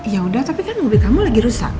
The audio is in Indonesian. yaudah tapi kan mobil kamu lagi rusak